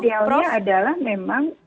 dan idealnya adalah memang